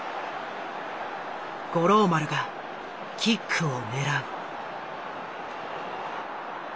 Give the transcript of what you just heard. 五郎丸がキックを狙う。